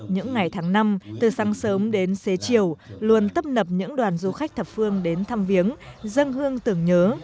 những ngày tháng năm từ sáng sớm đến xế chiều luôn tấp nập những đoàn du khách thập phương đến thăm viếng dân hương tưởng nhớ